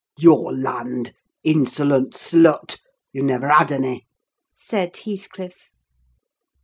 "Your land, insolent slut! You never had any," said Heathcliff.